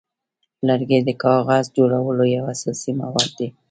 لرګی د کاغذ جوړولو یو اساسي مواد دی.